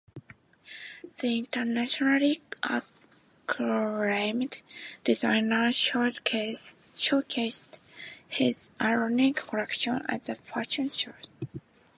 The internationally acclaimed designer showcased his iconic collection at the fashion show.